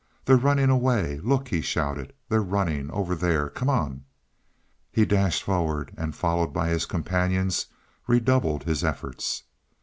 "They're running away look," he shouted. "They're running over there come on." He dashed forward, and, followed by his companions, redoubled his efforts.